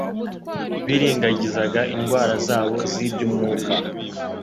birengagizaga indwara zabo z'iby'umwuka,